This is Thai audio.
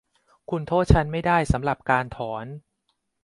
คุณโทษฉันไม่ได้สำหรับการถอน